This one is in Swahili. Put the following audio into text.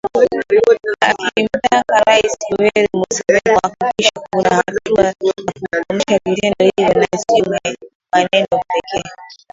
akimtaka Rais Yoweri Museveni kuhakikisha kuna hatua za kukomesha vitendo hivyo na sio maneno pekee